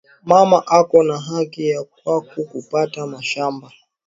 Mama eko na haki yake kwaku pata mashamba